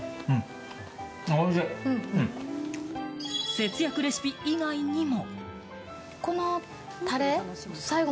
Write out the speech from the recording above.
節約レシピ以外にも。